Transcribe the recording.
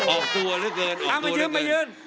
อ้าวมันยืน